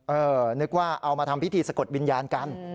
นึกว่าเอามาทำพิธีสะกดวิญญาณกัน